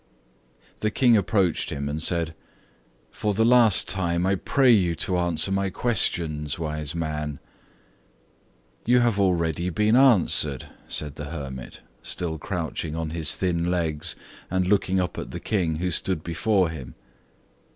The King approached him, and said: "For the last time, I pray you to answer my questions, wise man." "You have already been answered!" said the hermit, still crouching on his thin legs, and looking up at the King, who stood before him.